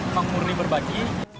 memang murni berbagi